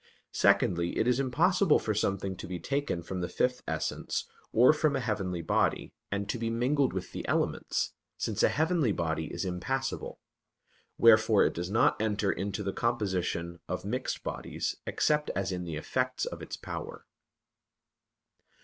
Secondly, it is impossible for something to be taken from the fifth essence, or from a heavenly body, and to be mingled with the elements, since a heavenly body is impassible; wherefore it does not enter into the composition of mixed bodies, except as in the effects of its power.